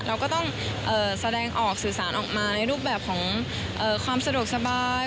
เราก็ต้องแสดงออกสื่อสารออกมาในรูปแบบของความสะดวกสบาย